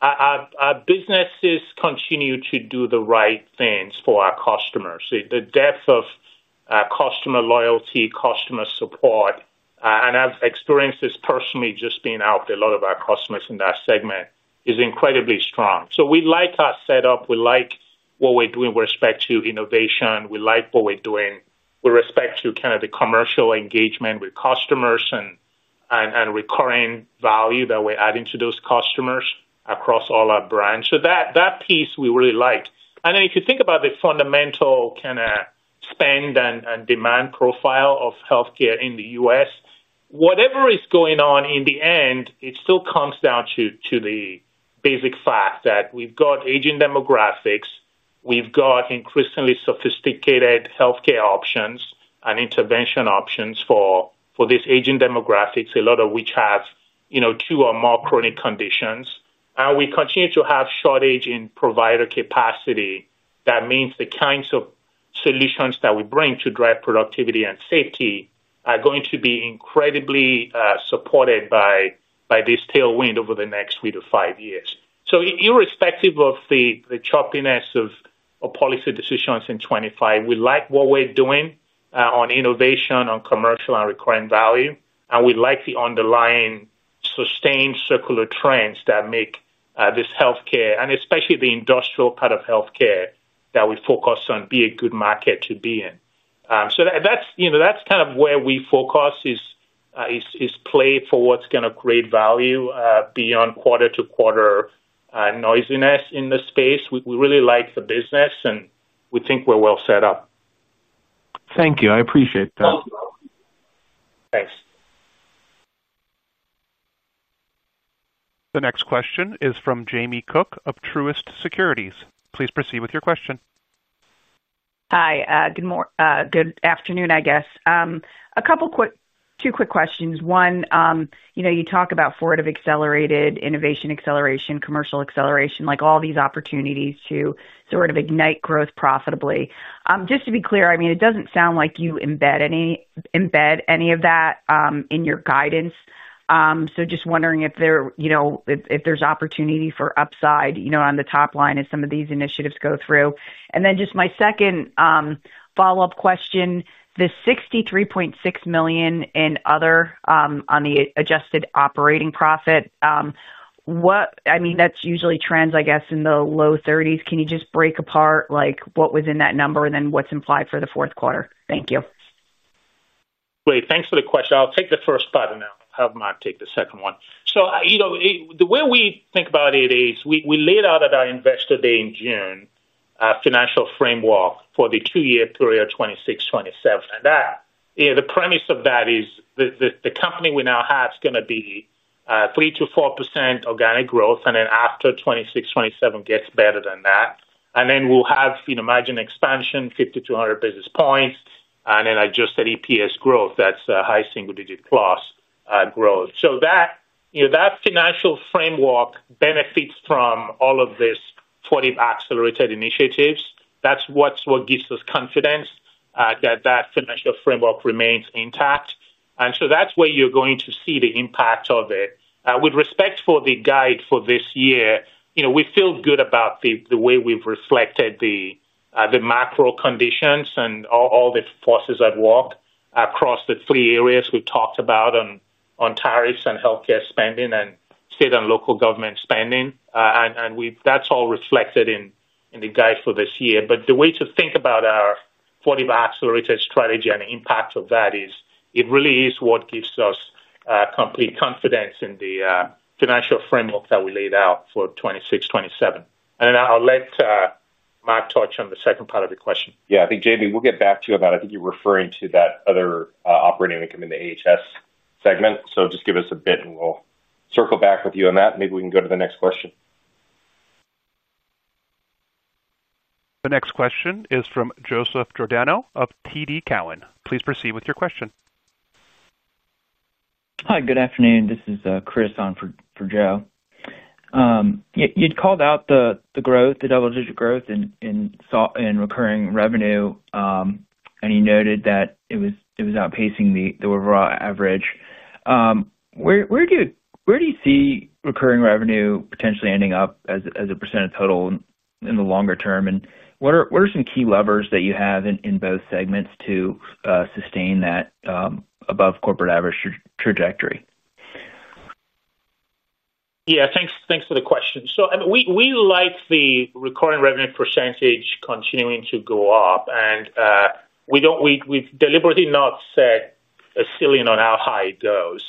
S3: our businesses continue to do the right things for our customers. The depth of customer loyalty, customer support, and I've experienced this personally just being out there. A lot of our customers in that segment is incredibly strong. We like our setup, we like what we're doing with respect to innovation, we like what we're doing with respect to the commercial engagement with customers and recurring value that we're adding to those customers across all our brands. That piece we really like. If you think about the fundamental kind of spend and demand profile of healthcare in the U.S., whatever is going on, in the end it still comes down to the basic fact that we've got aging demographics. We've got increasingly sophisticated healthcare options and intervention options for these aging demographics, a lot of which have two or more chronic conditions. We continue to have shortage in provider capacity. That means the kinds of solutions that we bring to drive productivity and safety are going to be incredibly supported by this tailwind over the next three to five years. Irrespective of the choppiness of policy decisions in 2025, we like what we're doing on innovation, on commercial and recurring value, and we like the underlying sustained circular trends that make this healthcare and especially the industrial part of healthcare that we focus on be a good market to be in. That's kind of where we focus, is play for what's going to create value beyond quarter to quarter noisiness in the space. We really like the business and we think we're well set up.
S13: Thank you, I appreciate that. Thanks.
S1: The next question is from Jamie Cook of Truist Securities. Please proceed with your question.
S14: Hi, good afternoon. I guess a couple quick, two quick questions. One, you know you talk about Fortive Accelerated innovation acceleration, commercial acceleration, like all these opportunities to sort of ignite growth profitably, just to be clear. I mean it doesn't sound like you embed any of that in your guidance. Just wondering if there, you know, if there's opportunity for upside, you know, on the top line as some of these initiatives go through. Just my second follow up question, the $63.6 million in other on the adjusted operating profit, what I mean that's usually trends I guess in the low 30s. Can you just break apart like what was in that number and then what's implied for the fourth quarter. Thank you.
S3: Great, thanks for the question. I'll take the first part and I'll have Mark take the second one. The way we think about it is we laid out at our investor day in June a financial framework for the two-year period 2026-2027, and the premise of that is the company we now have is going to be 3%-4% organic growth. After 2026-2027, it gets better than that, and we'll have margin expansion, 50-200 basis points, and then adjusted EPS growth that's high single digit plus growth. That financial framework benefits from all of this Fortive Accelerated strategy. That's what gives us confidence that the financial framework remains intact. That's where you're going to see the impact of it. With respect to the guide for this year, we feel good about the way we've reflected the macro conditions and all the forces at work across the three areas we've talked about, and on tariffs and healthcare spending and state and local government spending. That's all reflected in the guide for this year. The way to think about our Fortive Accelerated strategy and the impact of that is it really is what gives us complete confidence in the financial framework that we laid out for 2026-2027. I'll let Mark touch on the second part of the question.
S4: Yeah, I think Jamie, we'll get back to you about, I think you're referring to that other operating income in the AHS segment. Just give us a bit and we'll circle back with you on that. Maybe we can go to the next question.
S1: The next question is from Joseph Giordano of TD Cowen. Please proceed with your question.
S15: Hi, good afternoon, this is Chris on for Joe. You'd called out the growth, the double-digit growth in recurring revenue, and he noted that it was outpacing the overall average. Where do you see recurring revenue potentially ending up as a percentage of total? In the longer term, what are. Some key levers that you have in both segments to sustain that above corporate average trajectory?
S3: Yeah, thanks for the question. We like the recurring revenue percentage continuing to go up, and we don't, we've deliberately not set a ceiling on how high it goes.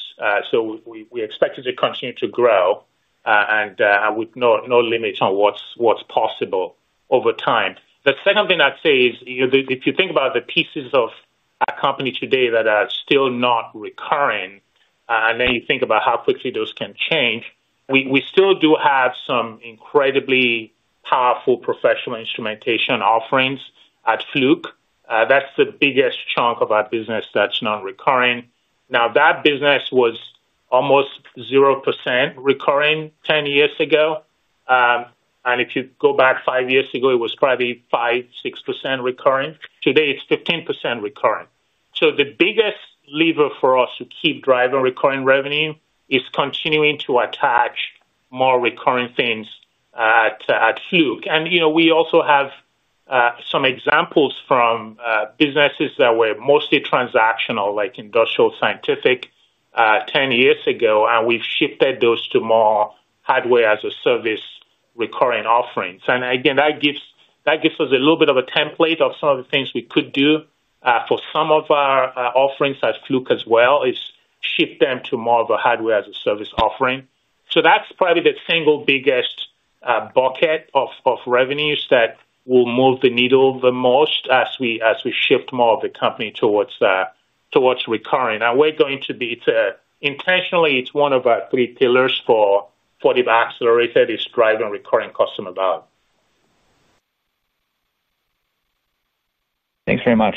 S3: We expect it to continue to grow with no limits on what's possible over time. The second thing I'd say is if you think about the pieces of the company today that are still not recurring and then you think about how quickly those can change. We still do have some incredibly powerful professional instrumentation offerings at Fluke. That's the biggest chunk of our business that's nonrecurring now. That business was almost 0% recurring 10 years ago. If you go back five years ago, it was probably 5% or 6% recurring. Today it's 15% recurring. The biggest lever for us to keep driving recurring revenue is continuing to attach more recurring things at Fluke. We also have some examples from businesses that were mostly transactional like Industrial Scientific 10 years ago, and we've shifted those to more hardware as a service recurring offerings. That gives us a little bit of a template of some of the things we could do for some of our offerings at Fluke as well, to shift them to more of a hardware as a service offering. That's probably the single biggest bucket of revenues that will move the needle the most as we shift more of the company towards recurring, and we're going to be intentional. It's one of our three pillars for the accelerator that is driving recurring customer value. Thanks very much.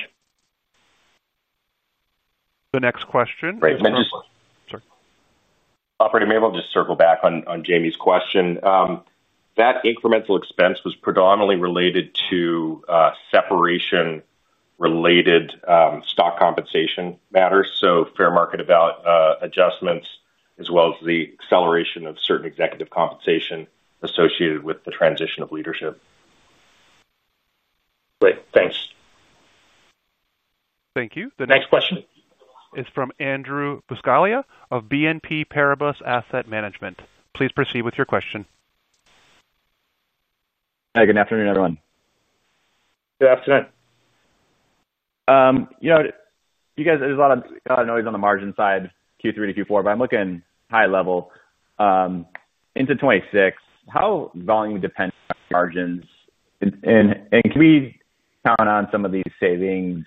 S1: The next question.
S4: Maybe I'll just circle back on Jamie's question. That incremental expense was predominantly related to separation-related stock compensation matters, fair market adjustments, as well as the acceleration of certain executive compensation associated with the transition of leadership.
S14: Great, thanks.
S1: Thank you. The next question is from Andrew Buscaglia of BNP Paribas Asset Management. Please proceed with your question.
S16: Hey, good afternoon everyone.
S3: Good afternoon.
S16: You know, you guys, there's a lot. Of noise on the margin side Q3 to Q4, but I'm looking high level into 2026. How volume depends on margins and can. We count on some of these savings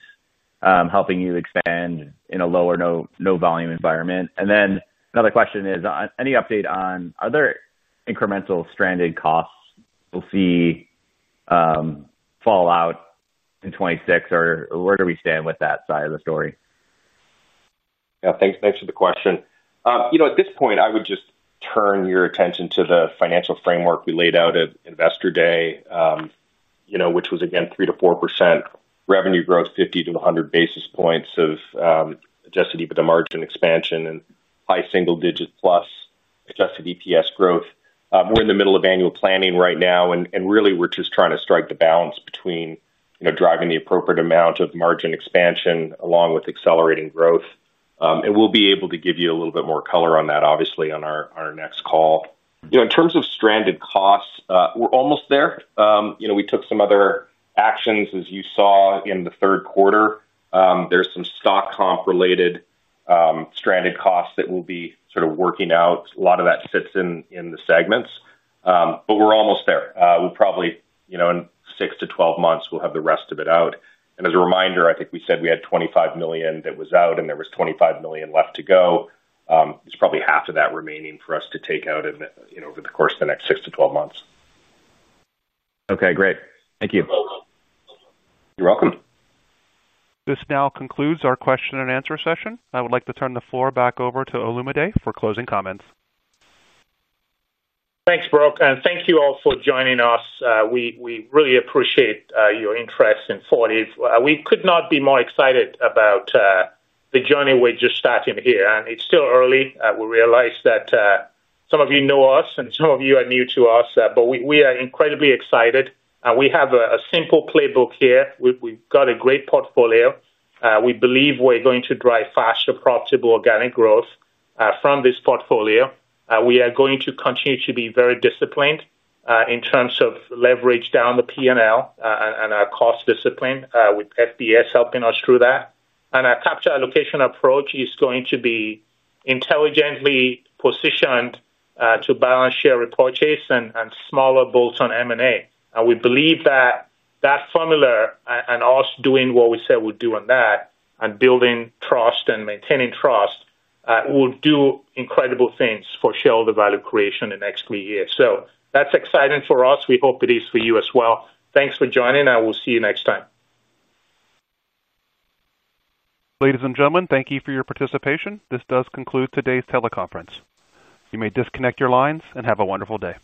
S16: helping you expand in a low or. No volume environment. Is there any update on other incremental stranded costs? Will we see fallout in 2026 or where?
S4: Do we stand with that side of the story? Thanks for the question. At this point I would just turn your attention to the financial framework we laid out at investor day, which was again 3%-4% revenue growth, 50 to 100 basis points of adjusted EBITDA margin expansion, and high single digit plus adjusted EPS growth. We're in the middle of annual planning right now and really we're just trying to strike the balance between driving the appropriate amount of margin expansion along with accelerating growth. We'll be able to give you a little bit more color on that obviously on our next call. In terms of stranded costs, we're almost there. We took some other actions as you saw in the third quarter. There are some stock comp related stranded costs that will be sort of working out. A lot of that sits in the segments, but we're almost there. In six to twelve months we'll have the rest of it out. As a reminder, I think we said we had $25 million that was out and there was $25 million left to go. There's probably half of that remaining for us to take out over the course.
S3: Of the next six to 12 months.
S16: Okay, great. Thank you. You're welcome.
S1: This now concludes our question-and-answer session. I would like to turn the floor back over to Olumide for closing comments.
S3: Thanks, Brooke. Thank you all for joining us. We really appreciate your interest in Fortive. We could not be more excited about the journey. We're just starting here and it's still early. We realize that some of you know us and some of you are new to us, but we are incredibly excited. We have a simple playbook here. We've got a great portfolio. We believe we're going to drive faster, profitable organic growth from this portfolio. We are going to continue to be very disciplined in terms of leverage down the P&L and our cost discipline with FBS helping us through that. Our capital allocation approach is going to be intelligently positioned to balance share repurchase and smaller bolt-on M&A. We believe that that formula and us doing what we said we'd do on that and building trust and maintaining trust will do incredible things for shareholder value creation in the next three years. That's exciting for us. We hope it is for you as well. Thanks for joining and we'll see you next time.
S1: Ladies and gentlemen, thank you for your participation. This does conclude today's teleconference. You may disconnect your lines and have a wonderful day.